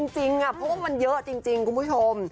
จริงเพราะว่ามันเยอะจริงคุณผู้ชม